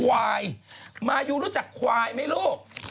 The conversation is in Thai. ควายมายูรู้จักควายไหมลูก